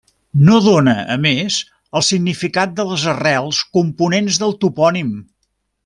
No dóna, a més el significat de les arrels components del topònim.